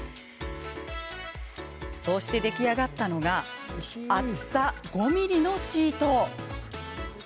そうして出来上がったのが厚さ５ｍｍのシート。